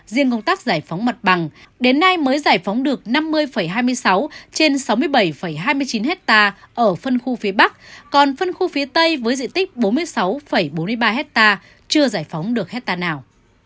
riêng công tác giải phóng mặt bằng đến nay mới giải phóng được năm mươi hai mươi sáu trên sáu mươi bảy hai mươi chín hectare ở phân khu phía bắc còn phân khu phía tây với diện tích bốn mươi sáu bốn mươi ba hectare chưa giải phóng được hectare nào